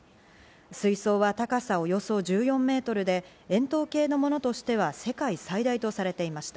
水槽は高さおよそ１４メートルで、円筒形のものとしては世界最大とされていました。